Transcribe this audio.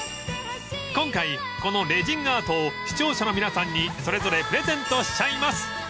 ［今回このレジンアートを視聴者の皆さんにそれぞれプレゼントしちゃいます］